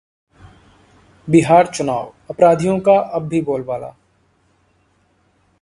बिहार चुनावः अपराधियों का अब भी बोलबाला